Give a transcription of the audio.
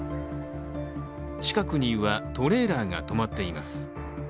近くには、トレーラーが止まっています。